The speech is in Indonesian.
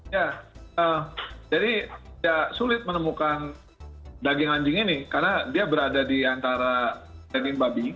ya jadi tidak sulit menemukan daging anjing ini karena dia berada di antara daging babi